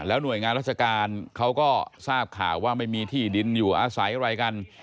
หน่วยงานราชการเขาก็ทราบข่าวว่าไม่มีที่ดินอยู่อาศัยอะไรกัน